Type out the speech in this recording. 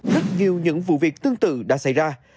rất nhiều những vụ việc tương tự đã xảy ra